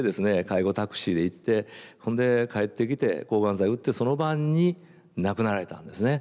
介護タクシーで行ってほんで帰ってきて抗がん剤打ってその晩に亡くなられたんですね。